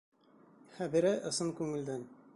Хәбирә ысын күңелдән.